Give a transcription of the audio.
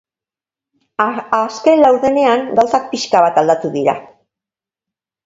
Azken laurdenean, gauzak pixka bat aldatu dira.